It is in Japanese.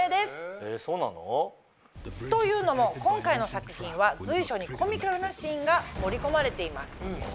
えっそうなの？というのも今回の作品は随所にコミカルなシーンが盛り込まれています。